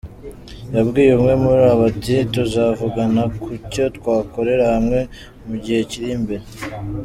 Yabwiye umwe muri bo ati: "Tuzavugana ku cyo twakorera hamwe mu gihe kiri imbere.